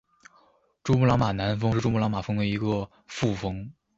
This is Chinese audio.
珠穆朗玛南峰是珠穆朗玛峰的一个副峰。